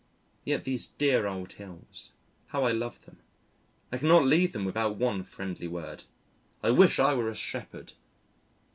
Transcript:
Yet these dear old hills. How I love them. I cannot leave them without one friendly word. I wish I were a shepherd!